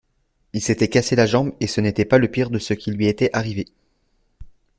Il s'était cassé la jambe et ce n'était pas le pire de ce qui lui été arrivé.